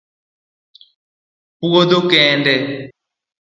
Puodho kende?